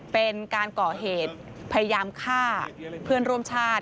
เป็นการก่อเหตุพยายามฆ่าเพื่อนร่วมชาติ